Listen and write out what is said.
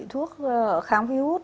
thuốc kháng virus